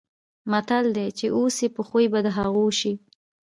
متل دی: چې اوسې په خوی به د هغو شې.